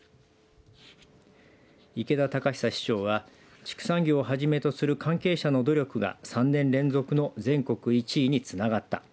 池田宜永市長は畜産業をはじめとする関係者の努力が３年連続の全国１位につながった。